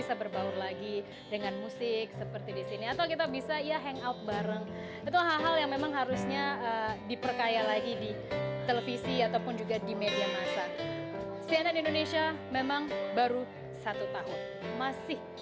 acara empat desember adalah acara yang bisa dibilang acara yang terbebas